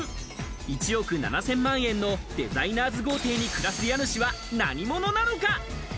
１億７０００万円のデザイナーズ豪邸に暮らす家主は何者なのか？